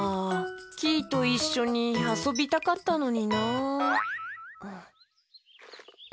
キイといっしょにあそびたかったのになあ。